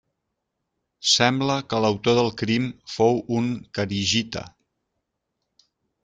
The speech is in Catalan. Sembla que l'autor del crim fou un kharigita.